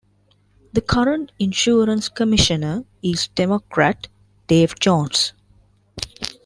The current Insurance Commissioner is Democrat Dave Jones.